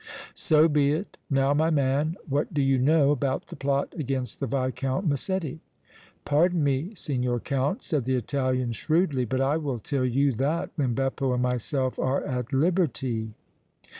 "So be it. Now, my man, what do you know about the plot against the Viscount Massetti?" "Pardon me, Signor Count," said the Italian, shrewdly, "but I will tell you that when Beppo and myself are at liberty!"